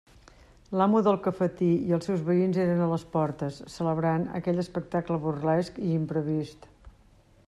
L'amo del cafetí i els seus veïns eren a les portes, celebrant aquell espectacle burlesc i imprevist.